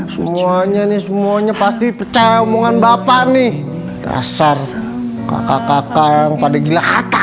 semuanya nih semuanya pasti pecah omongan bapak nih kasar kakak kakak yang pada gila